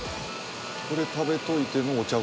これ食べといてのお茶